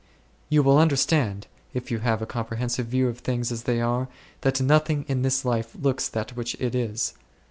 You will understand, if you have a comprehensive view of things as they are, that nothing in this life looks that which it is.